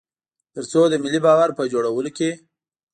تر څو د ملي باور په جوړولو کې.